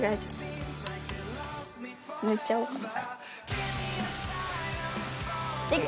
塗っちゃおうかな。